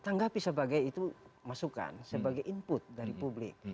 tanggapi sebagai itu masukan sebagai input dari publik